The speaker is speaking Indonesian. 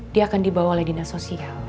dia akan dibawa oleh dinas sosial